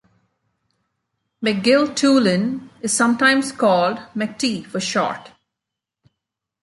McGill-Toolen is sometimes called "McT", for short.